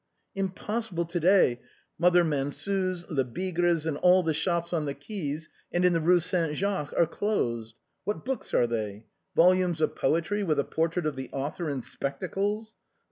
" Impossible to day. Mother Mansut's, Lebigre's and all the shops on the quays and in the Eue Saint Jacques are closed. What books are they? Volumes of poetry with a portrait of the author in spectacles?